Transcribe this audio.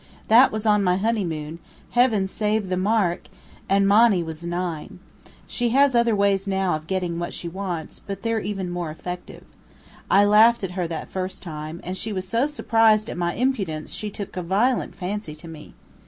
That was on my honeymoon heaven save the mark ! and Monny was nine. She has other ways now of getting what she wants, but they're even more effective. I laughed at her that first time, and she was so surprised at my impudence she took a violent fancy to me.